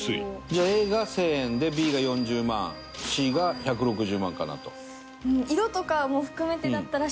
じゃあＡが１０００円でＢが４０万Ｃが１６０万かなと。